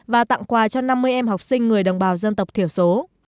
và tặng quà cho năm mươi em học sinh người đồng bào dân tộc thiểu số